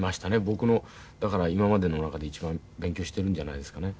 僕のだから今までの中で一番勉強しているんじゃないですかね。